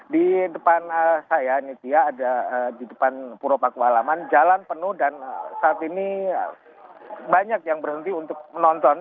di depan saya nitia ada di depan puro pakualaman jalan penuh dan saat ini banyak yang berhenti untuk menonton